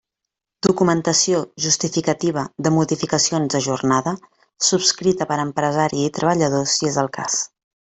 Documentació justificativa de modificacions de jornada, subscrita per empresari i treballador, si és el cas.